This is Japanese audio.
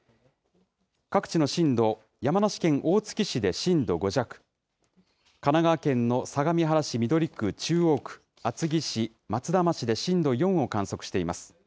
各地の震度、山梨県大月市で震度５弱、神奈川県の相模原市緑区、中央区、厚木市、松田町で震度４を観測しています。